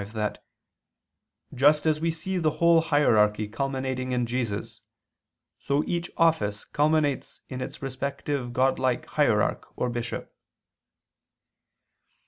v) that "just as we see the whole hierarchy culminating in Jesus, so each office culminates in its respective godlike hierarch or bishop."